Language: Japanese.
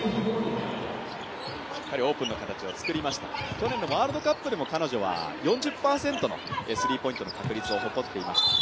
去年のワールドカップでも彼女は４０％のスリーポイントの確率を誇っていました。